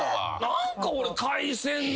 何か俺海鮮丼。